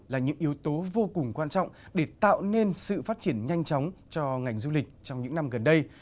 là những yếu tố vô cùng quan trọng để tạo nên sự phát triển nhanh chóng cho ngành du lịch trong những năm gần đây